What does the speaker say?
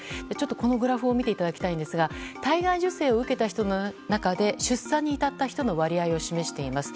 このグラフを見ていただきたいんですが体外受精を受けた人の中で出産に至った人の割合を示しています。